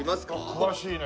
詳しいね。